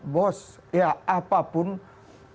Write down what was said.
bos ya apapun kan gak ada yang bisa dikawal